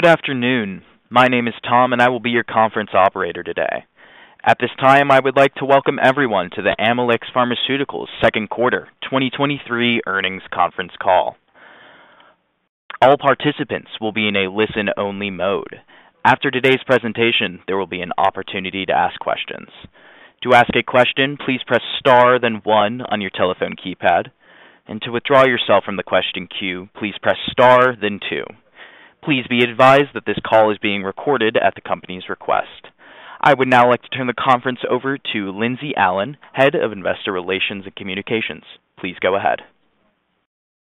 Good afternoon. My name is Tom, and I will be your conference operator today. At this time, I would like to welcome everyone to the Amylyx Pharmaceuticals Q2 2023 earnings conference call. All participants will be in a listen-only mode. After today's presentation, there will be an opportunity to ask questions. To ask a question, please press star then one on your telephone keypad, and to withdraw yourself from the question queue, please press star then two. Please be advised that this call is being recorded at the company's request. I would now like to turn the conference over to Lindsey Allen, Head of Investor Relations and Communications. Please go ahead.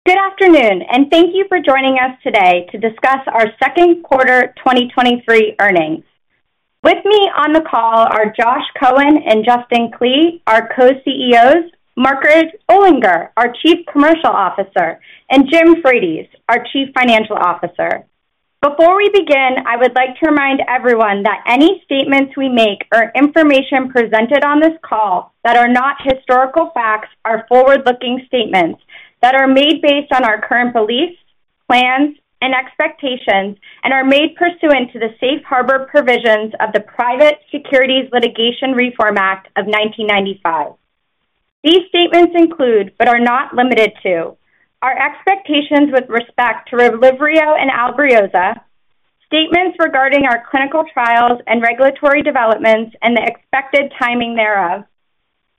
Good afternoon, thank you for joining us today to discuss our Q2 2023 earnings. With me on the call are Joshua Cohen and Justin Klee, our co-CEOs, Margaret Olinger, our Chief Commercial Officer, and James Frates, our Chief Financial Officer. Before we begin, I would like to remind everyone that any statements we make or information presented on this call that are not historical facts are forward-looking statements that are made based on our current beliefs, plans, and expectations and are made pursuant to the safe harbor provisions of the Private Securities Litigation Reform Act of 1995. These statements include, but are not limited to, our expectations with respect to RELYVRIO and ALBRIOZA, statements regarding our clinical trials and regulatory developments and the expected timing thereof,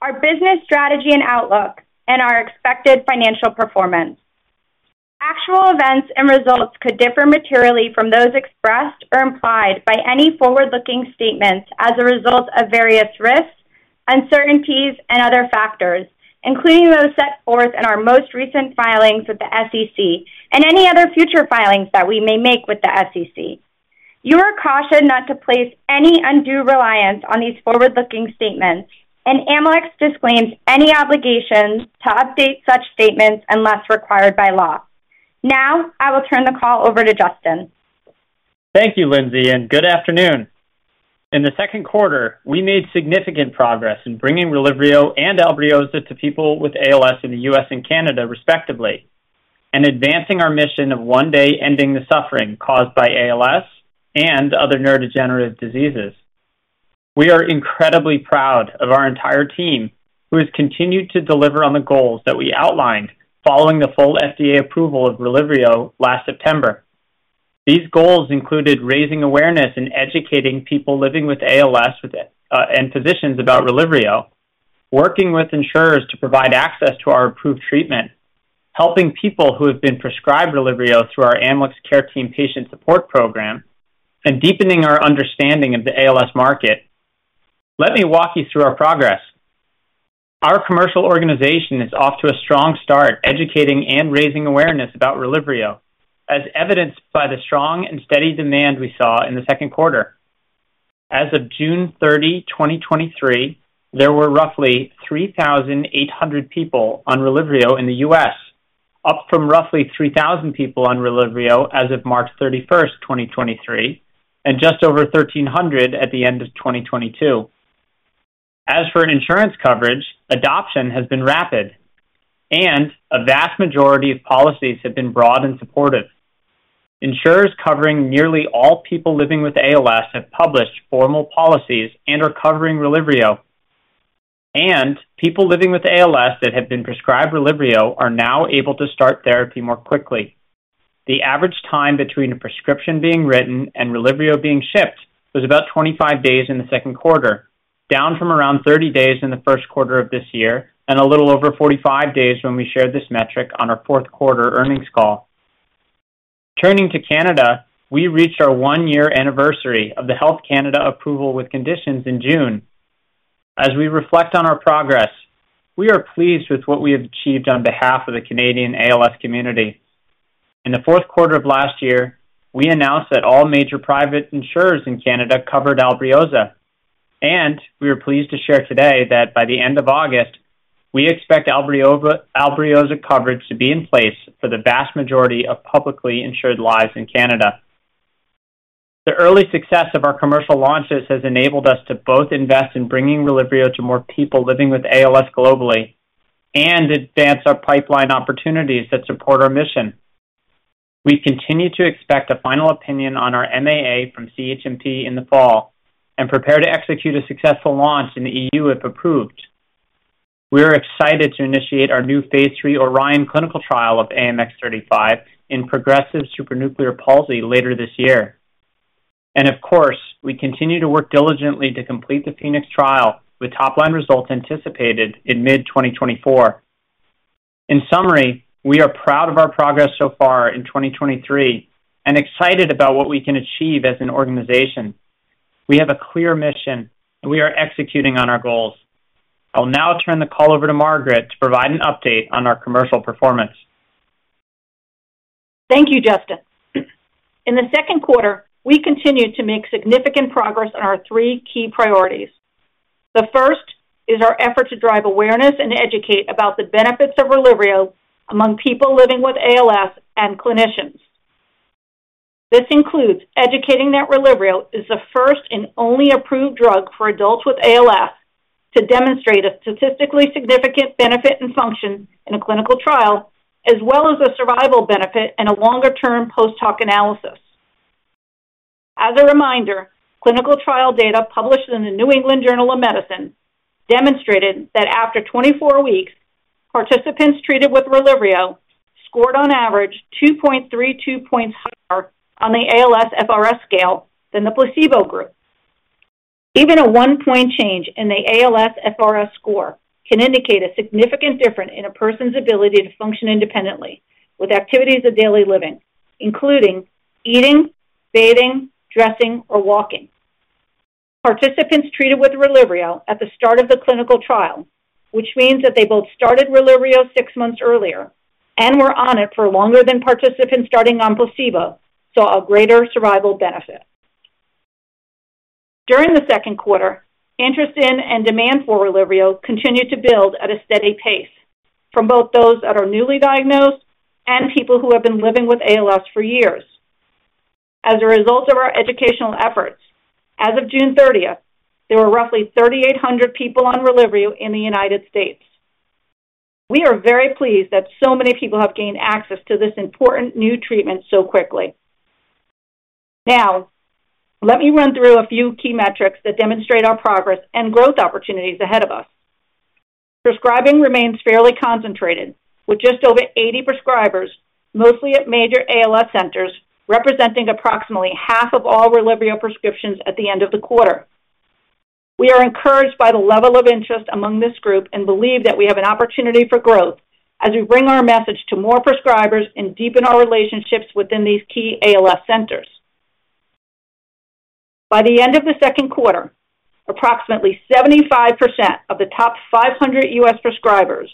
our business strategy and outlook, and our expected financial performance. Actual events and results could differ materially from those expressed or implied by any forward-looking statements as a result of various risks, uncertainties, and other factors, including those set forth in our most recent filings with the SEC and any other future filings that we may make with the SEC. You are cautioned not to place any undue reliance on these forward-looking statements, and Amylyx disclaims any obligations to update such statements unless required by law. Now, I will turn the call over to Justin. Thank you Lindsey, and good afternoon. In the Q2, we made significant progress in bringing RELYVRIO and ALBRIOZA to people with ALS in the US and Canada, respectively, and advancing our mission of one day ending the suffering caused by ALS and other neurodegenerative diseases. We are incredibly proud of our entire team, who has continued to deliver on the goals that we outlined following the full FDA approval of RELYVRIO last September. These goals included raising awareness and educating people living with ALS with it and physicians about RELYVRIO, working with insurers to provide access to our approved treatment, helping people who have been prescribed RELYVRIO through our Amylyx Care Team patient support program, and deepening our understanding of the ALS market. Let me walk you through our progress. Our commercial organization is off to a strong start educating and raising awareness about RELYVRIO, as evidenced by the strong and steady demand we saw in the second quarter. As of June 30, 2023, there were roughly 3,800 people on RELYVRIO in the US, up from roughly 3,000 people on RELYVRIO as of March 31, 2023, and just over 1,300 at the end of 2022. As for insurance coverage, adoption has been rapid, and a vast majority of policies have been broad and supportive. Insurers covering nearly all people living with ALS have published formal policies and are covering RELYVRIO, and people living with ALS that have been prescribed RELYVRIO are now able to start therapy more quickly. The average time between a prescription being written and RELYVRIO being shipped was about 25 days in the second quarter, down from around 30 days in the first quarter of this year and a little over 45 days when we shared this metric on our fourth quarter earnings call. Turning to Canada, we reached our 1-year anniversary of the Health Canada approval with conditions in June. As we reflect on our progress, we are pleased with what we have achieved on behalf of the Canadian ALS community. In the fourth quarter of last year, we announced that all major private insurers in Canada covered ALBRIOZA. We are pleased to share today that by the end of August, we expect ALBRIOZA - ALBRIOZA coverage to be in place for the vast majority of publicly insured lives in Canada. The early success of our commercial launches has enabled us to both invest in bringing RELYVRIO to more people living with ALS globally and advance our pipeline opportunities that support our mission. We continue to expect a final opinion on our MAA from CHMP in the fall and prepare to execute a successful launch in the EU if approved. We are excited to initiate our new Phase III ORION clinical trial of AMX0035 in progressive supranuclear palsy later this year. Of course, we continue to work diligently to complete the PHOENIX trial, with top-line results anticipated in mid-2024. In summary, we are proud of our progress so far in 2023 and excited about what we can achieve as an organization. We have a clear mission, and we are executing on our goals. I will now turn the call over to Margaret to provide an update on our commercial performance. Thank you Justin. In the Q2, we continued to make significant progress on our three key priorities. The first is our effort to drive awareness and educate about the benefits of RELYVRIO among people living with ALS and clinicians. This includes educating that RELYVRIO is the first and only approved drug for adults with ALS to demonstrate a statistically significant benefit in function in a clinical trial, as well as a survival benefit and a longer-term post-hoc analysis. As a reminder, clinical trial data published in The New England Journal of Medicine demonstrated that after 24 weeks, participants treated with RELYVRIO scored on average 2.32 points higher on the ALSFRS-R scale than the placebo group. Even a 1 point change in the ALSFRS-R score can indicate a significant difference in a person's ability to function independently with activities of daily living, including eating, bathing, dressing, or walking. Participants treated with RELYVRIO at the start of the clinical trial, which means that they both started RELYVRIO 6 months earlier and were on it for longer than participants starting on placebo, saw a greater survival benefit. During the Q2, interest in and demand for RELYVRIO continued to build at a steady pace from both those that are newly diagnosed and people who have been living with ALS for years. As a result of our educational efforts, as of June thirtieth, there were roughly 3,800 people on RELYVRIO in the United States. We are very pleased that so many people have gained access to this important new treatment so quickly. Now, let me run through a few key metrics that demonstrate our progress and growth opportunities ahead of us. Prescribing remains fairly concentrated, with just over 80 prescribers, mostly at major ALS centers, representing approximately half of all RELYVRIO prescriptions at the end of the quarter. We are encouraged by the level of interest among this group and believe that we have an opportunity for growth as we bring our message to more prescribers and deepen our relationships within these key ALS centers. By the end of the second quarter, approximately 75% of the top 500 US prescribers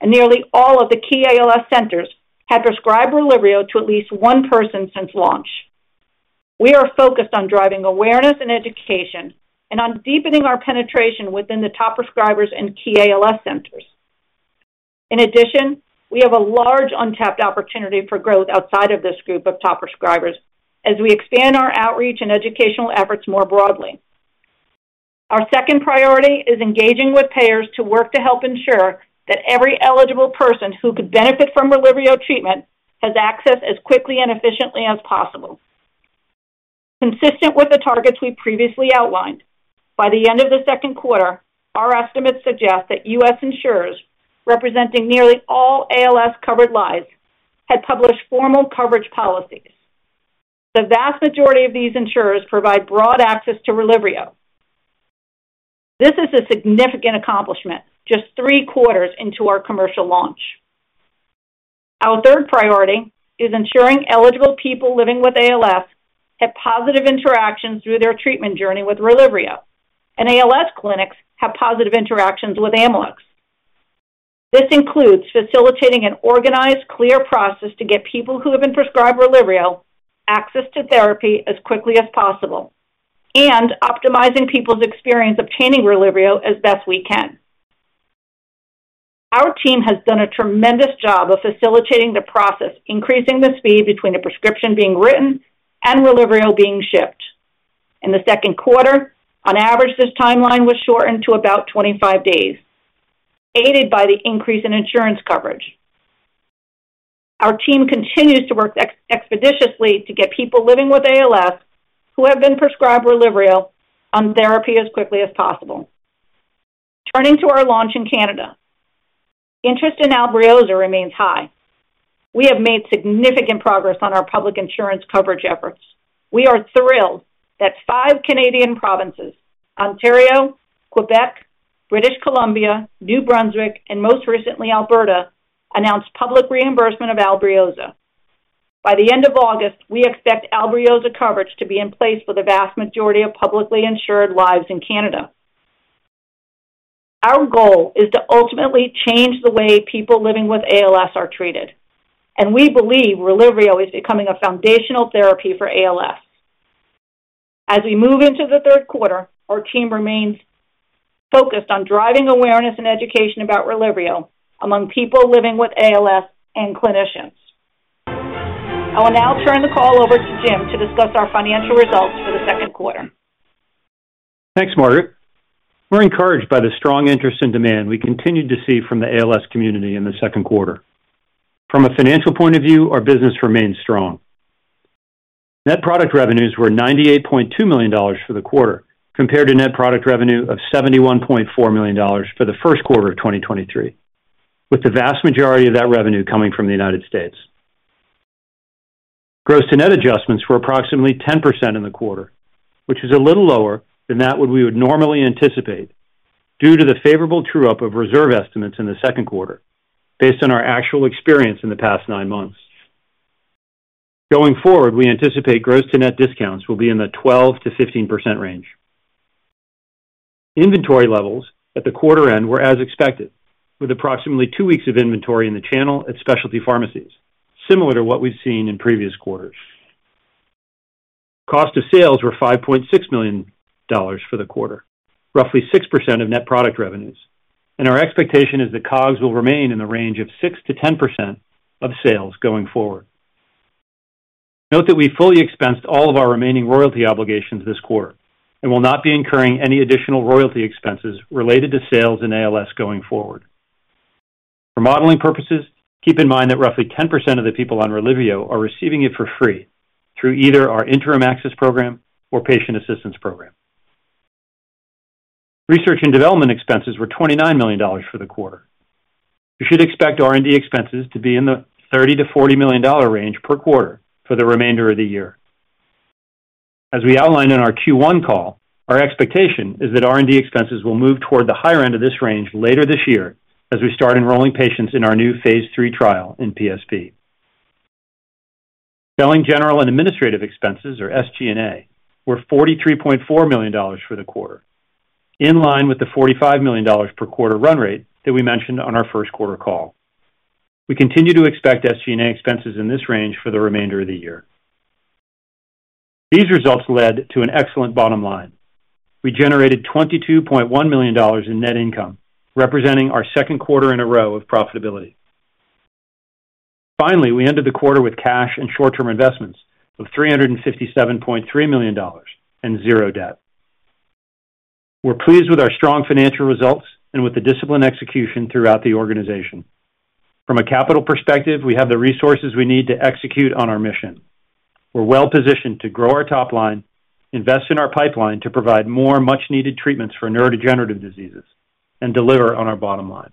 and nearly all of the key ALS centers had prescribed RELYVRIO to at least one person since launch. We are focused on driving awareness and education and on deepening our penetration within the top prescribers and key ALS centers. In addition, we have a large untapped opportunity for growth outside of this group of top prescribers as we expand our outreach and educational efforts more broadly. Our second priority is engaging with payers to work to help ensure that every eligible person who could benefit from RELYVRIO treatment has access as quickly and efficiently as possible. Consistent with the targets we previously outlined, by the end of the second quarter, our estimates suggest that US insurers, representing nearly all ALS-covered lives, had published formal coverage policies. The vast majority of these insurers provide broad access to RELYVRIO. This is a significant accomplishment just 3 quarters into our commercial launch. Our third priority is ensuring eligible people living with ALS have positive interactions through their treatment journey with RELYVRIO, and ALS clinics have positive interactions with Amylyx. This includes facilitating an organized, clear process to get people who have been prescribed RELYVRIO access to therapy as quickly as possible and optimizing people's experience obtaining RELYVRIO as best we can. Our team has done a tremendous job of facilitating the process, increasing the speed between the prescription being written and RELYVRIO being shipped. In the second quarter, on average, this timeline was shortened to about 25 days, aided by the increase in insurance coverage. Our team continues to work expeditiously to get people living with ALS who have been prescribed RELYVRIO on therapy as quickly as possible. Turning to our launch in Canada, interest in ALBRIOZA remains high. We have made significant progress on our public insurance coverage efforts. We are thrilled that five Canadian provinces, Ontario, Quebec, British Columbia, New Brunswick, and most recently, Alberta, announced public reimbursement of ALBRIOZA. By the end of August, we expect ALBRIOZA coverage to be in place for the vast majority of publicly insured lives in Canada. Our goal is to ultimately change the way people living with ALS are treated, and we believe RELYVRIO is becoming a foundational therapy for ALS. As we move into the third quarter, our team remains focused on driving awareness and education about RELYVRIO among people living with ALS and clinicians. I will now turn the call over to Jim to discuss our financial results for the second quarter. Thanks, Margaret. We're encouraged by the strong interest and demand we continued to see from the ALS community in the second quarter. From a financial point of view, our business remains strong. Net product revenues were $98.2 million for the quarter, compared to net product revenue of $71.4 million for the Q1 of 2023, with the vast majority of that revenue coming from the United States. Gross-to-net adjustments were approximately 10% in the quarter, which is a little lower than that what we would normally anticipate, due to the favorable true up of reserve estimates in the Q2, based on our actual experience in the past nine months. Going forward, we anticipate gross-to-net discounts will be in the 12 to 15% range. Inventory levels at the quarter end were as expected, with approximately 2 weeks of inventory in the channel at specialty pharmacies, similar to what we've seen in previous quarters. Cost of sales were $5.6 million for the quarter, roughly 6% of net product revenues, and our expectation is that COGS will remain in the range of 6 to 10% of sales going forward. Note that we fully expensed all of our remaining royalty obligations this quarter and will not be incurring any additional royalty expenses related to sales in ALS going forward. For modeling purposes, keep in mind that roughly 10% of the people on RELYVRIO are receiving it for free through either our interim access program or patient assistance program. Research and development expenses were $29 million for the quarter. You should expect R&D expenses to be in the $30 to 40 million range per quarter for the remainder of the year. As we outlined in our Q1 call, our expectation is that R&D expenses will move toward the higher end of this range later this year as we start enrolling patients in our new Phase III trial in PSP. Selling general and administrative expenses, or SG&A, were $43.4 million for the quarter, in line with the $45 million per quarter run rate that we mentioned on our Q1 call. We continue to expect SG&A expenses in this range for the remainder of the year. These results led to an excellent bottom line. We generated $22.1 million in net income, representing our Q2 in a row of profitability. We ended the quarter with cash and short-term investments of $357.3 million and 0 debt. We're pleased with our strong financial results and with the disciplined execution throughout the organization. From a capital perspective, we have the resources we need to execute on our mission. We're well positioned to grow our top line, invest in our pipeline to provide more much-needed treatments for neurodegenerative diseases, and deliver on our bottom line.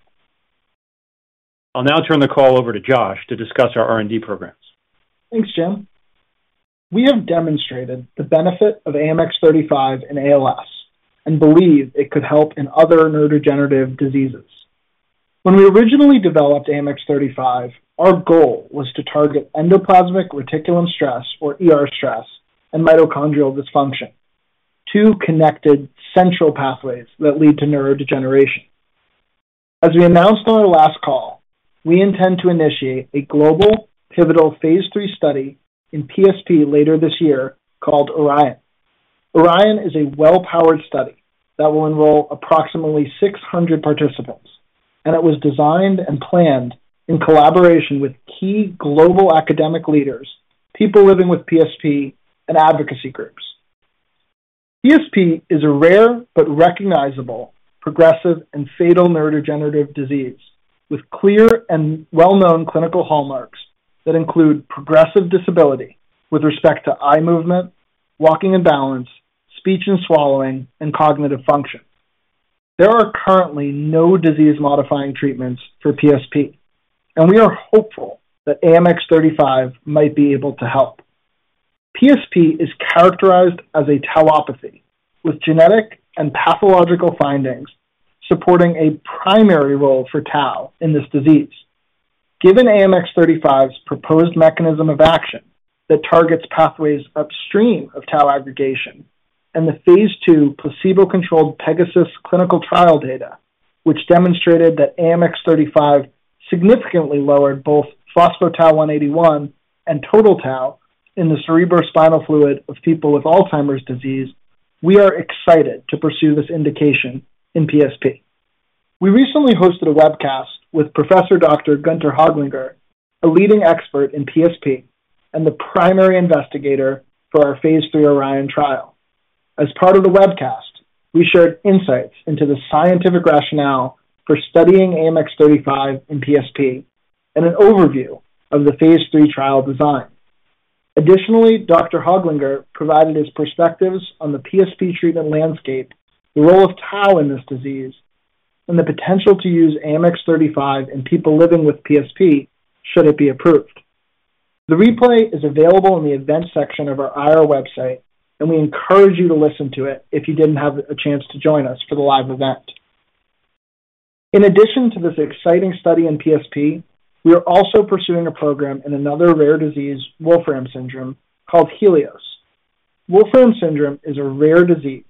I'll now turn the call over to Josh to discuss our R&D programs. Thanks Jim. We have demonstrated the benefit of AMX0035 in ALS and believe it could help in other neurodegenerative diseases. When we originally developed AMX0035, our goal was to target endoplasmic reticulum stress, or ER stress, and mitochondrial dysfunction, 2 connected central pathways that lead to neurodegeneration. As we announced on our last call, we intend to initiate a global pivotal phase III study in PSP later this year called ORION. ORION is a well-powered study that will enroll approximately 600 participants, and it was designed and planned in collaboration with key global academic leaders, people living with PSP, and advocacy groups. PSP is a rare but recognizable, progressive, and fatal neurodegenerative disease with clear and well-known clinical hallmarks that include progressive disability with respect to eye movement, walking and balance, speech and swallowing, and cognitive function. There are currently no disease-modifying treatments for PSP, and we are hopeful that AMX0035 might be able to help. PSP is characterized as a tauopathy, with genetic and pathological findings supporting a primary role for tau in this disease. Given AMX0035's proposed mechanism of action that targets pathways upstream of tau aggregation and the phase 2 placebo-controlled PEGASUS clinical trial data, which demonstrated that AMX0035 significantly lowered both phospho-tau 181 and total tau in the cerebrospinal fluid of people with Alzheimer's disease, we are excited to pursue this indication in PSP. We recently hosted a webcast with Professor Dr. Günter Höglinger, a leading expert in PSP and the primary investigator for our phase 3 ORION trial. As part of the webcast, we shared insights into the scientific rationale for studying AMX0035 in PSP and an overview of the phase 3 trial design. Additionally, Dr. Höglinger provided his perspectives on the PSP treatment landscape, the role of tau in this disease, and the potential to use AMX0035 in people living with PSP should it be approved. The replay is available in the events section of our IR website, and we encourage you to listen to it if you didn't have a chance to join us for the live event. In addition to this exciting study in PSP, we are also pursuing a program in another rare disease, Wolfram syndrome, called HELIOS. Wolfram syndrome is a rare disease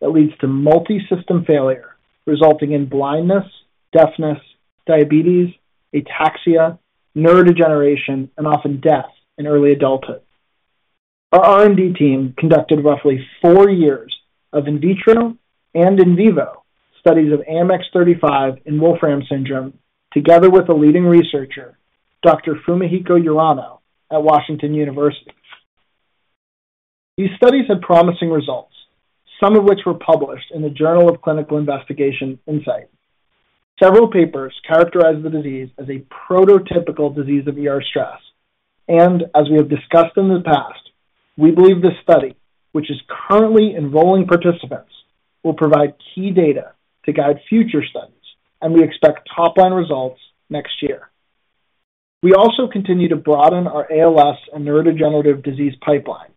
that leads to multi-system failure, resulting in blindness, deafness, diabetes, ataxia, neurodegeneration, and often death in early adulthood. Our R&D team conducted roughly 4 years of in vitro and in vivo studies of AMX0035 in Wolfram syndrome, together with a leading researcher, Dr. Fumihiko Urano at Washington University. These studies had promising results, some of which were published in the JCI Insight. Several papers characterized the disease as a prototypical disease of ER stress, and as we have discussed in the past, we believe this study, which is currently enrolling participants, will provide key data to guide future studies, and we expect top-line results next year. We also continue to broaden our ALS and neurodegenerative disease pipeline.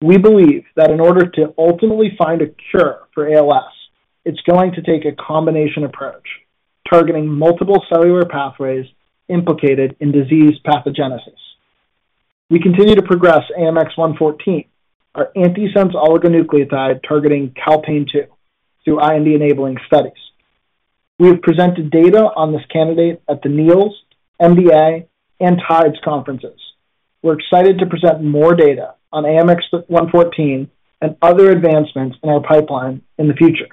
We believe that in order to ultimately find a cure for ALS, it's going to take a combination approach, targeting multiple cellular pathways implicated in disease pathogenesis. We continue to progress AMX0114, our antisense oligonucleotide, targeting calpain-2 through IND-enabling studies. We have presented data on this candidate at the NEALS, MDA, and TIDES conferences. We're excited to present more data on AMX0114 and other advancements in our pipeline in the future.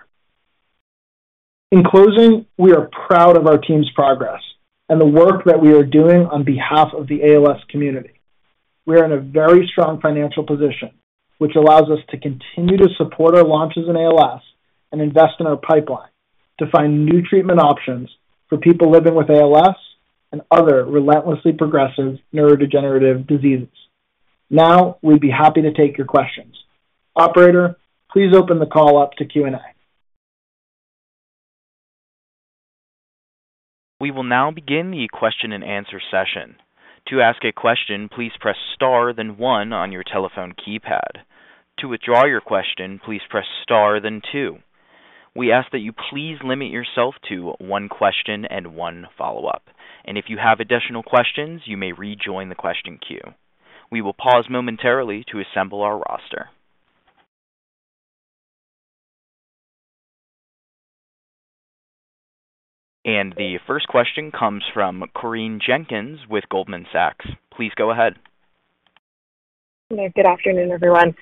In closing, we are proud of our team's progress and the work that we are doing on behalf of the ALS community. We are in a very strong financial position, which allows us to continue to support our launches in ALS and invest in our pipeline to find new treatment options for people living with ALS and other relentlessly progressive neurodegenerative diseases. We'd be happy to take your questions. Operator, please open the call up to Q&A. We will now begin the question and answer session. To ask a question, please press star then one on your telephone keypad. To withdraw your question, please press star then two. We ask that you please limit yourself to one question and one follow-up, and if you have additional questions, you may rejoin the question queue. We will pause momentarily to assemble our roster. The first question comes from Corinne Jenkins with Goldman Sachs. Please go ahead. Good afternoon everyone.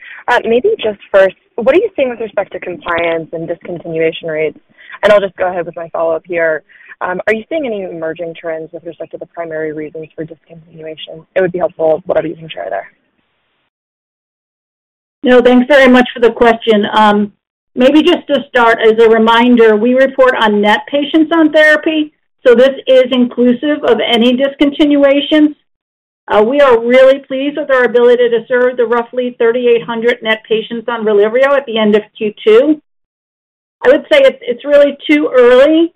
Maybe just first, what are you seeing with respect to compliance and discontinuation rates? I'll just go ahead with my follow-up here. Are you seeing any emerging trends with respect to the primary reasons for discontinuation? It would be helpful, whatever you can share there. Thanks very much for the question. Maybe just to start, as a reminder, we report on net patients on therapy, so this is inclusive of any discontinuation. We are really pleased with our ability to serve the roughly 3,800 net patients on Relyvrio at the end of Q2. I would say it's, it's really too early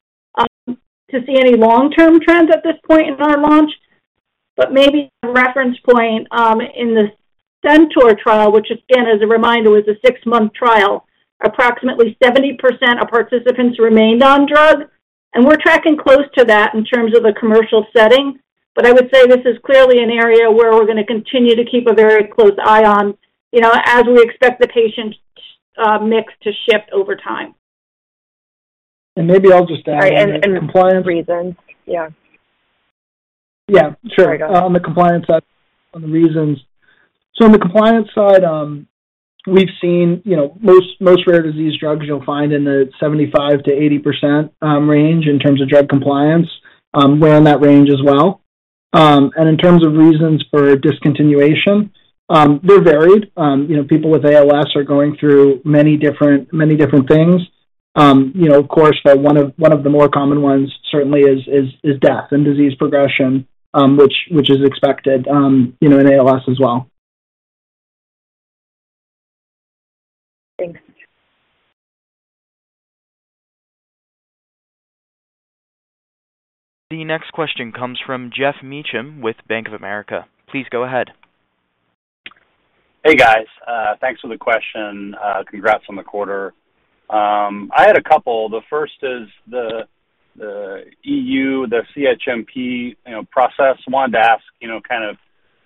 to see any long-term trends at this point in our launch, but maybe a reference point in the CENTAUR trial, which again, as a reminder, was a 6-month trial, approximately 70% of participants remained on drug, and we're tracking close to that in terms of the commercial setting. I would say this is clearly an area where we're gonna continue to keep a very close eye on, you know, as we expect the patient mix to shift over time. Maybe I'll just add on the compliance... Reasons. Yeah. Yeah, sure. Sorry, go ahead. On the compliance side, on the reasons. On the compliance side, we've seen, you know, most, most rare disease drugs you'll find in the 75 to 80% range in terms of drug compliance. We're in that range as well. In terms of reasons for discontinuation, they're varied. You know, people with ALS are going through many different, many different things. You know, of course, one of, one of the more common ones certainly is, is, is death and disease progression, which, which is expected, you know, in ALS as well. Thanks. The next question comes from Geoff Meacham with Bank of America. Please go ahead. Hey guys. Thanks for the question. Congrats on the quarter. I had a couple. The first is the EU, the CHMP, you know, process. Wanted to ask, you know, kind of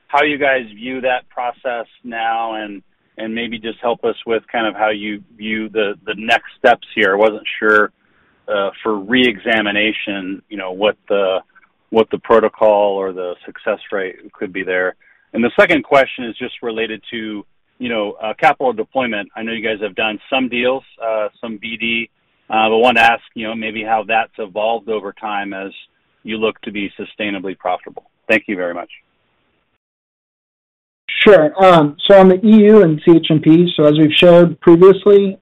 how you guys view that process now and maybe just help us with kind of how you view the next steps here. I wasn't sure, for reexamination, you know, what the protocol or the success rate could be there. The second question is just related to, you know, capital deployment. I know you guys have done some deals, some BD, but want to ask, you know, maybe how that's evolved over time as you look to be sustainably profitable. Thank you very much. Sure. On the EU and CHMP, as we've showed previously,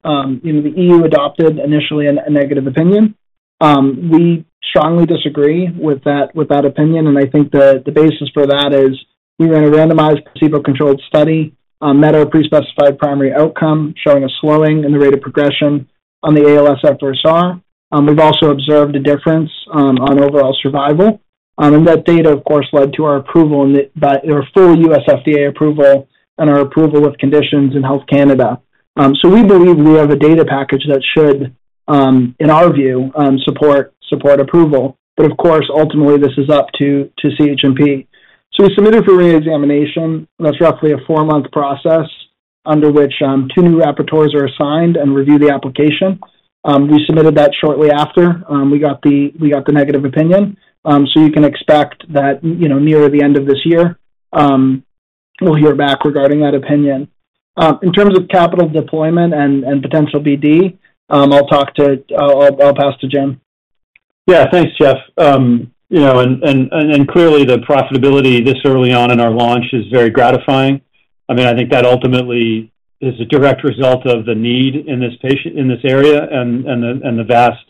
you know, the EU adopted initially a negative opinion. We strongly disagree with that opinion, I think the basis for that is we ran a randomized placebo-controlled study, met our pre-specified primary outcome, showing a slowing in the rate of progression on the ALSFRS-R. We've also observed a difference on overall survival. That data, of course, led to our approval by our full US FDA approval and our approval of conditions in Health Canada. We believe we have a data package that should, in our view, support approval. Of course, ultimately, this is up to CHMP. We submitted for reexamination. That's roughly a 4-month process under which two new rapporteurs are assigned and review the application. We submitted that shortly after we got the negative opinion. You can expect that, you know, near the end of this year, we'll hear back regarding that opinion. In terms of capital deployment and potential BD, I'll pass to Jim. Yeah. Thanks Jeff. you know, and, and, and clearly, the profitability this early on in our launch is very gratifying. I mean, I think that ultimately is a direct result of the need in this patient, in this area and, and the, and the vast,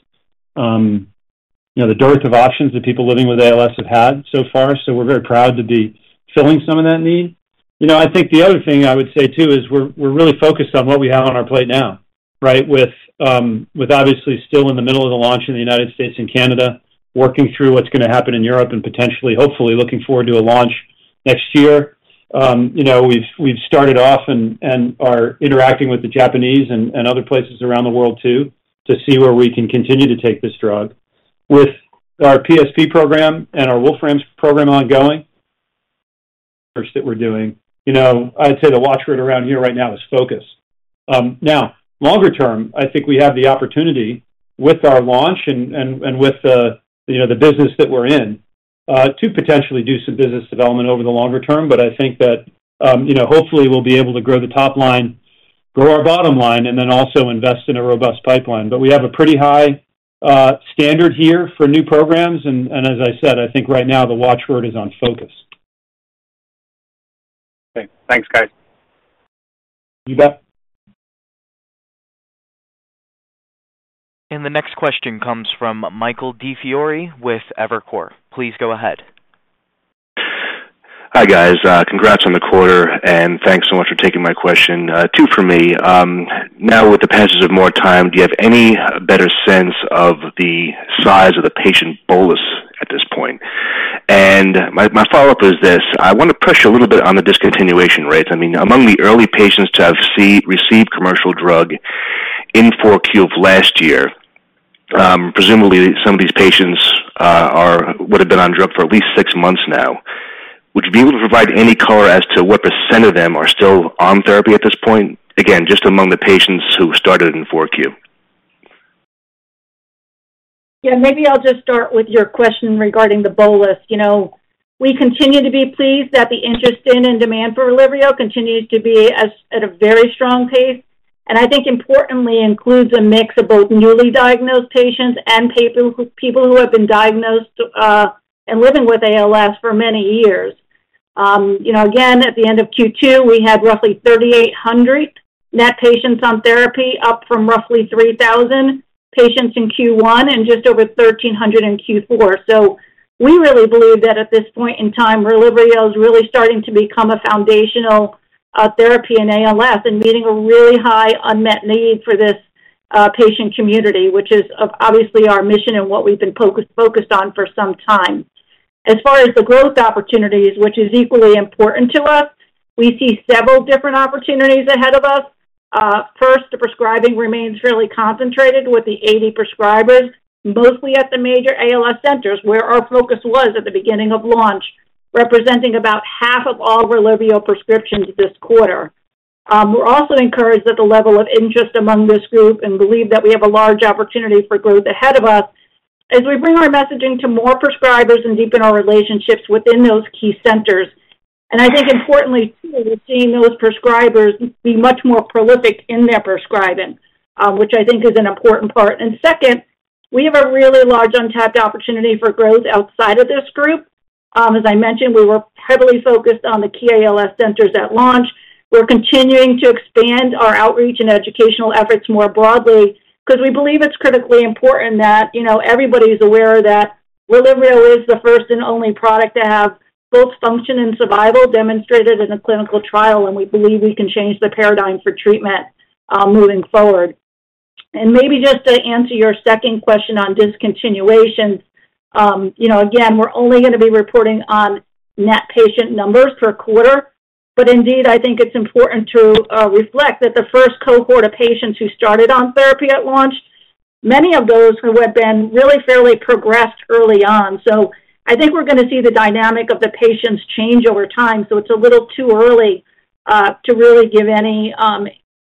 you know, the dearth of options that people living with ALS have had so far. We're very proud to be filling some of that need. You know, I think the other thing I would say, too, is we're, we're really focused on what we have on our plate now, right? With, with obviously still in the middle of the launch in the United States and Canada, working through what's going to happen in Europe and potentially, hopefully, looking forward to a launch next year. You know, we've, we've started off and, and are interacting with the Japanese and, and other places around the world too, to see where we can continue to take this drug. With our PSP program and our Wolfram program ongoing, first that we're doing, you know, I'd say the watch word around here right now is focus. Now, longer term, I think we have the opportunity with our launch and, and, and with the, you know, the business that we're in to potentially do some business development over the longer term. I think that, you know, hopefully we'll be able to grow the top line, grow our bottom line, and then also invest in a robust pipeline. We have a pretty high standard here for new programs, and, and as I said, I think right now the watch word is on focus. Okay, thanks, guys. You bet. The next question comes from Michael DiFiore with Evercore. Please go ahead. Hi, guys. congrats on the quarter, and thanks so much for taking my question. 2 for me. Now, with the passage of more time, do you have any better sense of the size of the patient bolus at this point? My, my follow-up is this: I want to push a little bit on the discontinuation rates. I mean, among the early patients to have received commercial drug in 4Q of last year, presumably some of these patients would have been on drug for at least 6 months now. Would you be able to provide any color as to what % of them are still on therapy at this point? Again, just among the patients who started in 4Q. Yeah, maybe I'll just start with your question regarding the bolus. You know, we continue to be pleased that the interest in and demand for RELYVRIO continues to be as, at a very strong pace, and I think importantly includes a mix of both newly diagnosed patients and people who, people who have been diagnosed and living with ALS for many years. You know, again, at the end of Q2, we had roughly 3,800 net patients on therapy, up from roughly 3,000 patients in Q1 and just over 1,300 in Q4. We really believe that at this point in time, RELYVRIO is really starting to become a foundational therapy in ALS and meeting a really high unmet need for this patient community, which is of obviously our mission and what we've been focus, focused on for some time. As far as the growth opportunities, which is equally important to us, we see several different opportunities ahead of us. First, the prescribing remains fairly concentrated with the 80 prescribers, mostly at the major ALS centers, where our focus was at the beginning of launch, representing about half of all RELYVRIO prescriptions this quarter. We're also encouraged at the level of interest among this group and believe that we have a large opportunity for growth ahead of us as we bring our messaging to more prescribers and deepen our relationships within those key centers. I think importantly, too, we're seeing those prescribers be much more prolific in their prescribing, which I think is an important part. Second, we have a really large untapped opportunity for growth outside of this group. As I mentioned, we were heavily focused on the key ALS centers at launch. We're continuing to expand our outreach and educational efforts more broadly because we believe it's critically important that, you know, everybody's aware that RELYVRIO is the first and only product to have both function and survival demonstrated in a clinical trial, and we believe we can change the paradigm for treatment, moving forward. Maybe just to answer your second question on discontinuation. You know, again, we're only going to be reporting on net patient numbers per quarter. Indeed, I think it's important to reflect that the first cohort of patients who started on therapy at launch, many of those who had been really fairly progressed early on. I think we're going to see the dynamic of the patients change over time, so it's a little too early to really give any,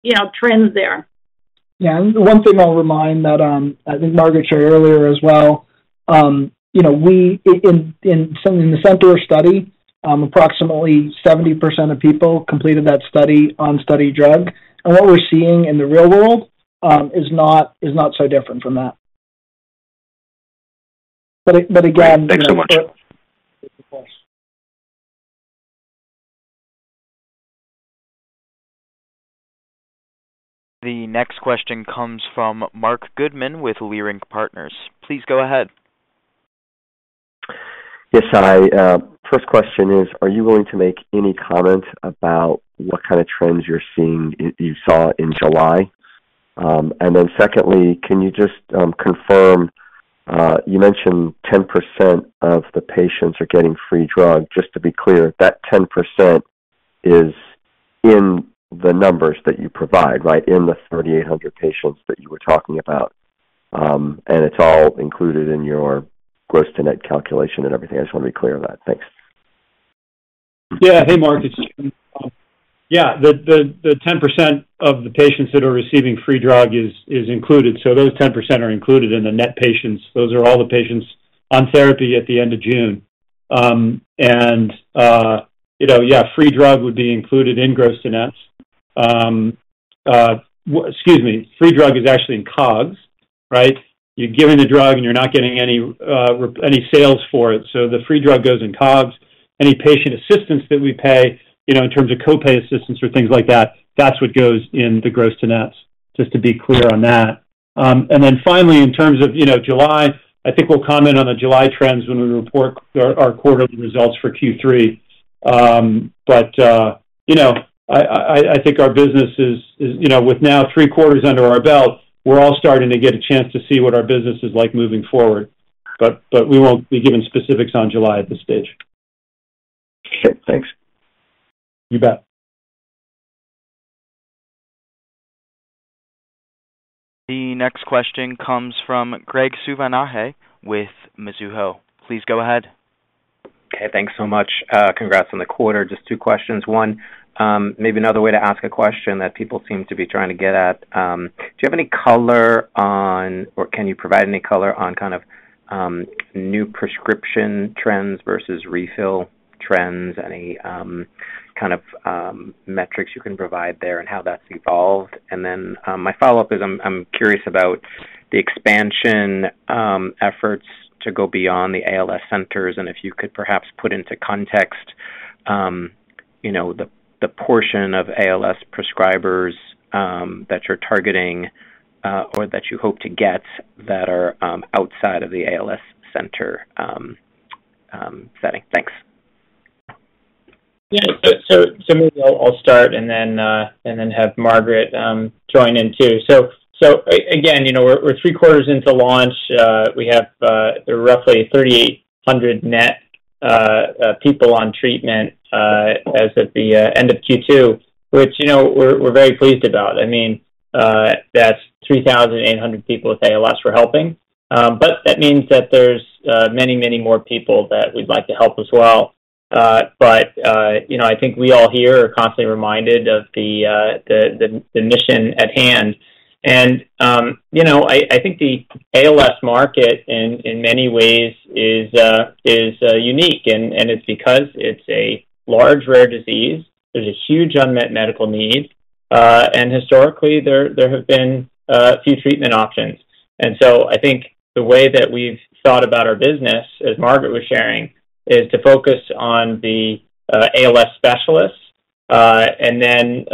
you know, trends there. Yeah, one thing I'll remind that, I think Margaret shared earlier as well, you know, we in the CENTAUR study, approximately 70% of people completed that study on study drug. What we're seeing in the real world, is not, is not so different from that. Again. Thanks so much. Of course. The next question comes from Marc Goodman with Leerink Partners. Please go ahead. Yes, hi. First question is, are you going to make any comment about what kind of trends you're seeing, you, you saw in July? Secondly, can you just confirm you mentioned 10% of the patients are getting free drug? Just to be clear, that 10% is in the numbers that you provide, right? In the 3,800 patients that you were talking about, and it's all included in your gross-to-net calculation and everything? I just want to be clear on that. Thanks. Yeah. Hey Marc, it's Jim. Yeah the, the 10% of the patients that are receiving free drug is, is included. Those 10% are included in the net patients. Those are all the patients on therapy at the end of June. You know, yeah, free drug would be included in gross-to-net. Excuse me, free drug is actually in COGS, right? You're giving the drug, and you're not getting any rep, any sales for it. The free drug goes in COGS. Any patient assistance that we pay, you know, in terms of co-pay assistance or things like that, that's what goes in the gross-to-net. Just to be clear on that. Then finally, in terms of, you know, July, I think we'll comment on the July trends when we report our, our quarterly results for Q3. You know, I, I, I think our business is, is, you know, with now 3 quarters under our belt, we're all starting to get a chance to see what our business is like moving forward. But we won't be giving specifics on July at this stage. Sure. Thanks. You bet. The next question comes from Gregory Suvannavejh with Mizuho. Please go ahead.... Okay, thanks so much. Congrats on the quarter. Just 2 questions. 1, maybe another way to ask a question that people seem to be trying to get at. Do you have any color on, or can you provide any color on kind of, new prescription trends versus refill trends? Any, kind of, metrics you can provide there and how that's evolved? Then, my follow-up is, I'm, I'm curious about the expansion efforts to go beyond the ALS centers, and if you could perhaps put into context, you know, the, the portion of ALS prescribers that you're targeting, or that you hope to get that are, outside of the ALS center setting. Thanks. Yeah. Maybe I'll, I'll start and then and then have Margaret join in too. Again, you know, we're, we're three quarters into launch. We have roughly 3,800 net people on treatment as of the end of Q2, which, you know, we're very pleased about. I mean, that's 3,800 people with ALS we're helping. That means that there's many, many more people that we'd like to help as well. You know, I think we all here are constantly reminded of the the the mission at hand. You know, I, I think the ALS market in, in many ways is unique. It's because it's a large, rare disease. There's a huge unmet medical need. Historically, there, there have been few treatment options. I think the way that we've thought about our business, as Margaret was sharing, is to focus on the ALS specialists, continuing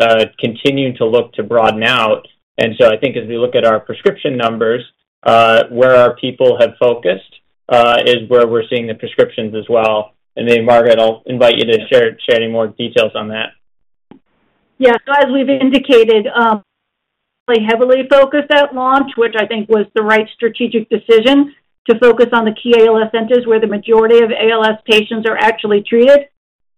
to look to broaden out. I think as we look at our prescription numbers, where our people have focused, is where we're seeing the prescriptions as well. Margaret, I'll invite you to share, share any more details on that. Yeah. As we've indicated, we heavily focused at launch, which I think was the right strategic decision, to focus on the key ALS centers where the majority of ALS patients are actually treated.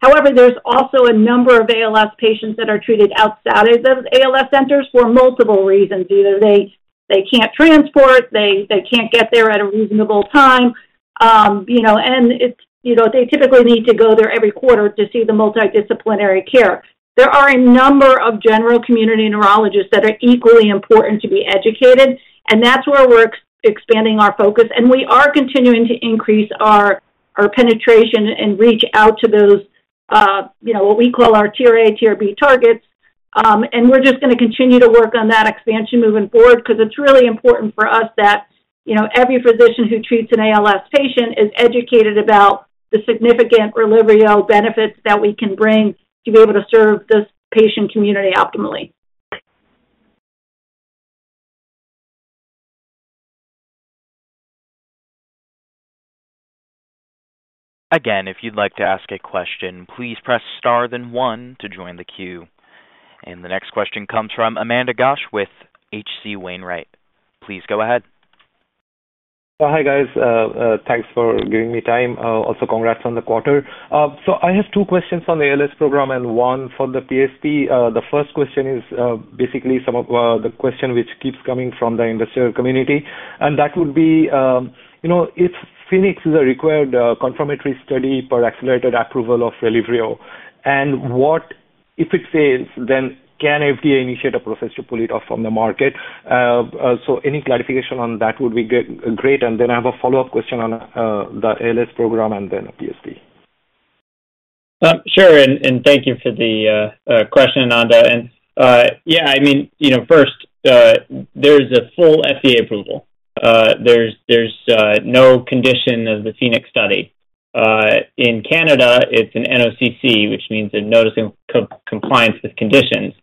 However, there's also a number of ALS patients that are treated outside of those ALS centers for multiple reasons. Either they, they can't transport, they, they can't get there at a reasonable time, you know, and it's, you know, they typically need to go there every quarter to see the multidisciplinary care. There are a number of general community neurologists that are equally important to be educated, and that's where we're expanding our focus, and we are continuing to increase our, our penetration and reach out to those, you know, what we call our Tier A, Tier B targets. We're just going to continue to work on that expansion moving forward because it's really important for us that, you know, every physician who treats an ALS patient is educated about the significant RELYVRIO benefits that we can bring to be able to serve this patient community optimally. Again, if you'd like to ask a question, please press Star, then one to join the queue. The next question comes from Aman Ghosh with H.C. Wainwright. Please go ahead. Hi, guys. Thanks for giving me time. Also congrats on the quarter. So I have 2 questions on the ALS program and 1 for the PSP. The first question is basically some of the question which keeps coming from the investor community, and that would be, you know, if PHOENIX is a required confirmatory study for accelerated approval of RELYVRIO, and what... If it fails, then can FDA initiate a process to pull it off from the market? So any clarification on that would be great. Then I have a follow-up question on the ALS program and then PSP. Sure, thank you for the question Aman. There's a full FDA approval. There's no condition of the PHOENIX study. In Canada, it's an NOC/c, which means a notice in compliance with conditions.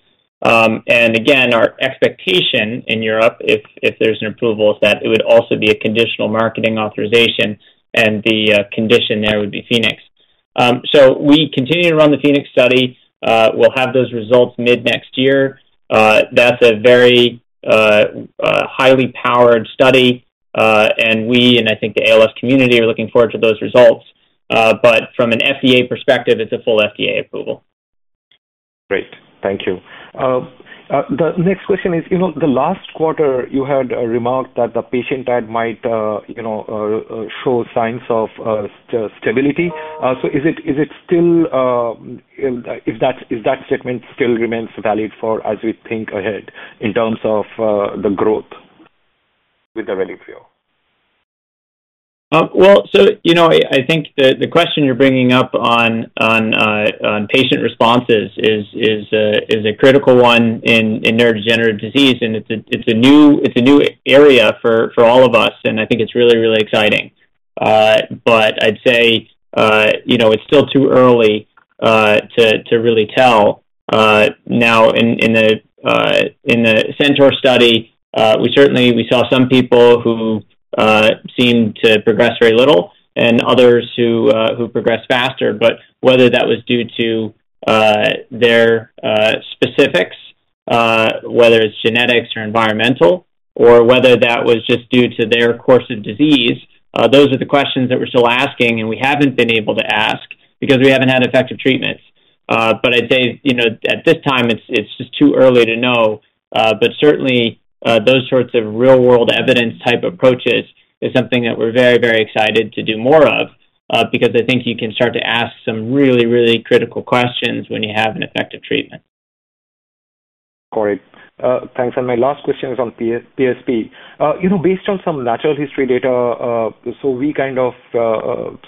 Our expectation in Europe, if there's an approval, is that it would also be a conditional marketing authorization, and the condition there would be PHOENIX. We continue to run the PHOENIX study. We'll have those results mid-next year. That's a very highly powered study, and the ALS community are looking forward to those results. From an FDA perspective, it's a full FDA approval. Great. Thank you. The next question is, you know, the last quarter, you had a remark that the patient ad might, you know, show signs of s- stability. Is it, is it still... If that, if that statement still remains valid for as we think ahead in terms of the growth with the RELYVRIO? Well, you know, I, I think the, the question you're bringing up on, on patient responses is, is a, is a critical one in, in neurodegenerative disease, and it's a, it's a new, it's a new area for, for all of us, and I think it's really, really exciting. I'd say, you know, it's still too early to, to really tell. Now, in, in the, in the CENTAUR study, we certainly, we saw some people who seemed to progress very little and others who progressed faster. Whether that was due to their specifics, whether it's genetics or environmental, or whether that was just due to their course of disease, those are the questions that we're still asking, and we haven't been able to ask because we haven't had effective treatments. But I'd say, you know, at this time, it's, it's just too early to know. Certainly, those sorts of real-world evidence type approaches is something that we're very, very excited to do more of, because I think you can start to ask some really, really critical questions when you have an effective treatment. Got it. Thanks. My last question is on PS, PSP. You know, based on some natural history data, we kind of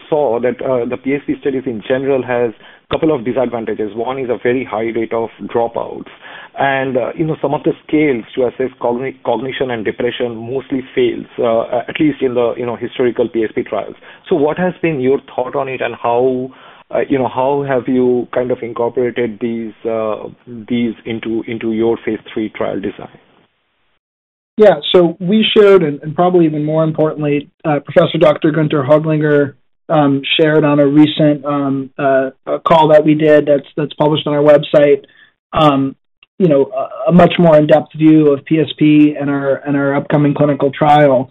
saw that the PSP studies in general has a couple of disadvantages. One is a very high rate of dropouts, and you know, some of the scales to assess cognition and depression mostly fails, at least in the, you know, historical PSP trials. What has been your thought on it, and how, you know, how have you kind of incorporated these, these into, into your Phase III trial design? We showed, and probably even more importantly, Professor Dr. Günter Höglinger shared on a recent call that we did that's published on our website, you know, a much more in-depth view of PSP and our upcoming clinical trial.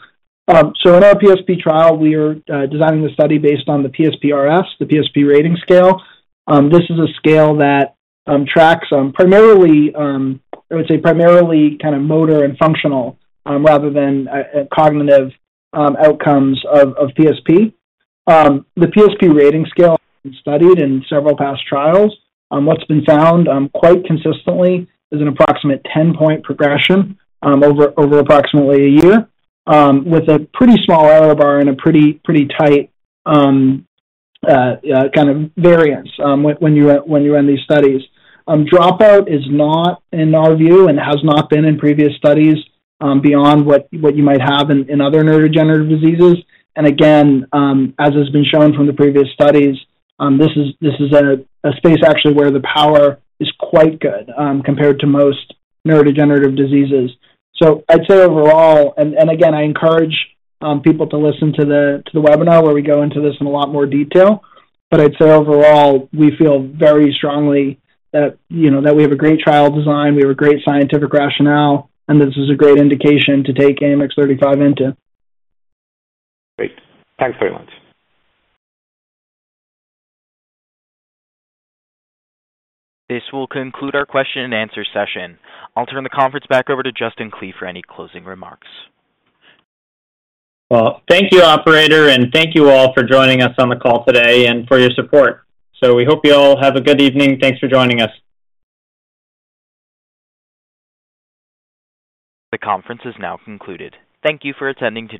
In our PSP trial, we are designing the study based on the PSPRS, the PSP rating scale. This is a scale that tracks primarily, I would say primarily kind of motor and functional, rather than cognitive outcomes of PSP. The PSP rating scale studied in several past trials. What's been found, quite consistently is an approximate 10-point progression over, over approximately 1 year, with a pretty small error bar and a pretty, pretty tight kind of variance when, when you're, when you run these studies. Dropout is not, in our view, and has not been in previous studies, beyond what, what you might have in, in other neurodegenerative diseases. Again, as has been shown from the previous studies, this is, this is a, a space actually where the power is quite good compared to most neurodegenerative diseases. I'd say overall, and, and again, I encourage people to listen to the, to the webinar, where we go into this in a lot more detail. I'd say overall, we feel very strongly that, you know, that we have a great trial design, we have a great scientific rationale, and this is a great indication to take AMX0035 into. Great. Thanks very much. This will conclude our question and answer session. I'll turn the conference back over to Justin Klee for any closing remarks. Well, thank you operator and thank you all for joining us on the call today and for your support. We hope you all have a good evening. Thanks for joining us. The conference is now concluded. Thank you for attending today.